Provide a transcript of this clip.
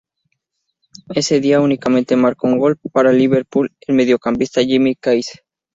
Ese día, únicamente marcó un gol para el Liverpool el mediocampista Jimmy Case.